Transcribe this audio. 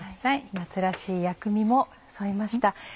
夏らしい薬味も添えました。